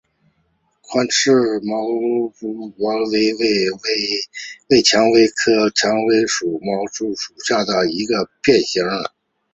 宽刺绢毛蔷薇为蔷薇科蔷薇属绢毛蔷薇下的一个变型。